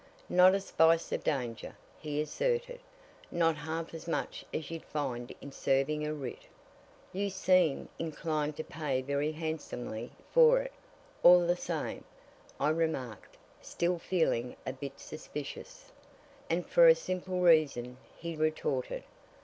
"Not a spice of danger!" he asserted. "Not half as much as you'd find in serving a writ." "You seem inclined to pay very handsomely for it, all the same," I remarked, still feeling a bit suspicious. "And for a simple reason," he retorted.